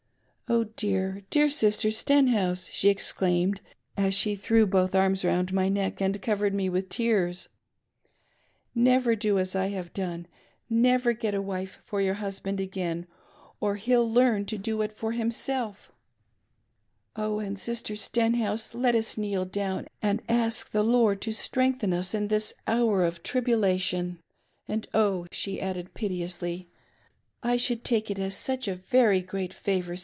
"Oh dear, dear Sister Stenhouse," she exclaimed as she threw both her arms round my neck and covered me with tears, — "never do as I have done — never get a wife for your husband again, or he'll learn to do it for himself. And, oh, Sister Stenhouse MAKIKG A WEbDlNG DAY PLEASANT ! 595 let US kneel down and ask the Lord to streijgthen us in this hour of tribulation ; and, oh," she added piteously, " I should take it such a very great favor.